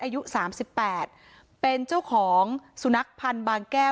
อายุสามสิบแปดเป็นเจ้าของสุนัขพันธ์บางแก้ว